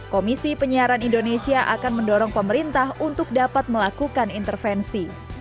komisi penyiaran indonesia akan mendorong pemerintah untuk dapat melakukan intervensi